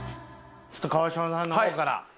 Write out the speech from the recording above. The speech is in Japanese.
ちょっと川島さんの方から。